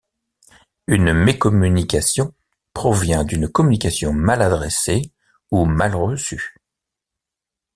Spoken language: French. Une mécommunication provient d'une communication mal adressée ou mal reçue.